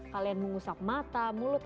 kalian mengusap mata mulut